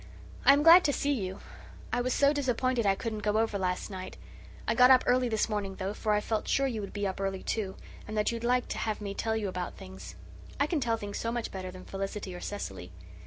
"I am glad to see you. I was so disappointed I couldn't go over last night. I got up early this morning, though, for I felt sure you would be up early, too, and that you'd like to have me tell you about things. I can tell things so much better than Felicity or Cecily.